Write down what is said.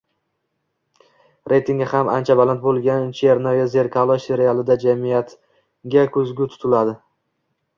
Reytinggi ham ancha baland bo‘lgan «Chernoye zerkalo» serialida jamiyatga ko‘zgu tutiladi.